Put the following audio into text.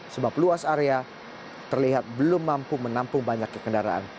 sebab luas area terlihat belum mampu menampung banyak kekendaraan